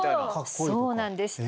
そうなんです。